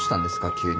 急に。